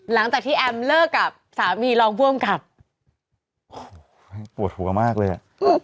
หลังจากที่แอมเลิกกับสามีรองบ้วมกับปวดหัวมากเลย